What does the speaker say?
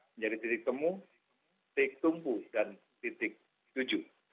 menjadi titik temu titik tempuh dan titik tujuh